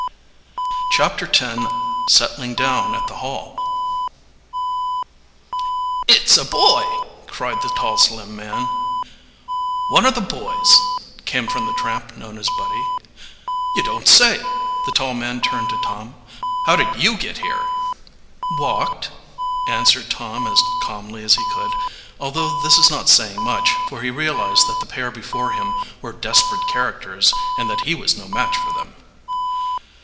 CHAPTER X SETTLING DOWN AT THE HALL "It's a boy!" cried the tall, slim man. "One of the boys!" came from the tramp known as Buddy. "You don't say!" The tall man turned to Tom. "How did you get here?" "Walked," answered Tom as calmly as he could, although this is not saying much, for he realized that the pair before him were desperate characters and that he was no match for them.